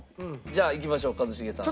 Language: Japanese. じゃあいきましょう一茂さん。